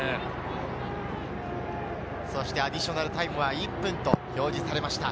そしてアディショナルタイムは１分と表示されました。